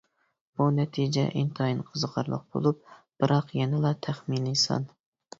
بۇ نەتىجە ئىنتايىن قىزىقارلىق بولۇپ، بىراق يەنىلا تەخمىنى سان.